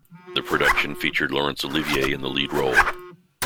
The production featured Laurence Olivier in the lead role.